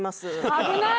危ない！